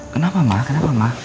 kenapa ma kenapa ma